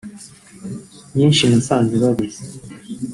nyinshi nasanze bazizi